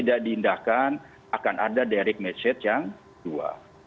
akan ada direct message yang kedua